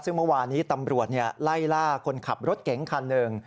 ซึ่งเมื่อวานี้ตำรวจไล่ล่าคนขับรถเก๋งคันหนึ่ง